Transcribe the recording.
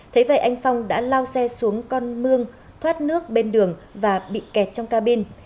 thế vậy anh phong đã lao xe xuống con mương thoát nước bên đường và bị kẹt trong cabin